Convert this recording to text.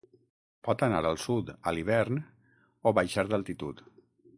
Pot anar al sud a l'hivern o baixar d'altitud.